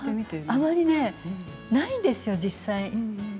あまりないんですよね実際。